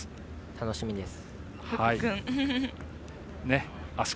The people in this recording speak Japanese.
楽しみです。